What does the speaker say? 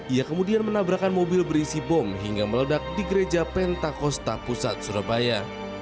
ia kemudian menabrakan mobil berisi bom hingga meledak di gereja pentakosta pusat surabaya